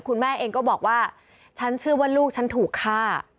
คุณแม่เองก็บอกว่าฉันเชื่อว่าลูกฉันถูกฆ่า